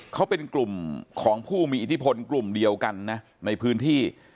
เขาเป็นกลุ่มของผู้มีอิทธิพลกลุ่มเดียวกันนะในพื้นที่